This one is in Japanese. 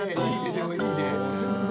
でもいいね！